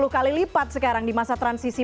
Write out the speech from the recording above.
sepuluh kali lipat sekarang di masa transisi